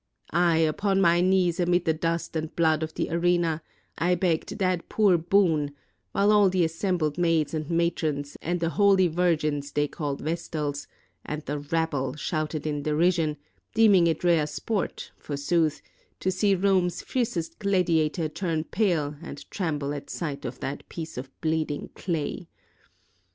Aye, upon my knees, amid the dust and blood of the arena, I begged that poor boon, while all the assembled maids and matrons, and the holy virgins they call Vestals, and the rabble, shouted in de rision, deeming it rare sport, forsooth, to see Rome's fiercest gladiator turn pale and tremble at sight of that piece of bleeding clay!